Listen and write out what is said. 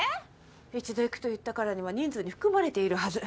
一度行くと言ったからには人数に含まれているはず。